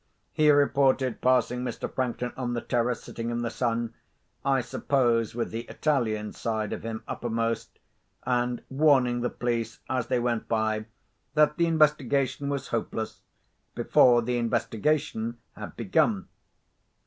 He reported passing Mr. Franklin on the terrace, sitting in the sun (I suppose with the Italian side of him uppermost), and warning the police, as they went by, that the investigation was hopeless, before the investigation had begun.